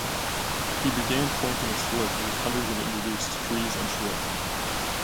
He began planting a slope with hundreds of introduced trees and shrubs.